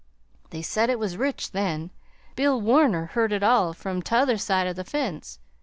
"They said it was rich then Bill Warner heard it all from t'other side of the fence.